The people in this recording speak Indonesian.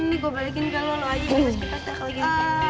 ini gue balikin ke lu lu aja